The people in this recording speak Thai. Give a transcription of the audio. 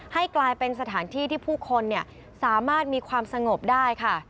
ให้กลายเป็นสถานที่ที่ผู้คนสามารถมีความสงบได้ค่ะ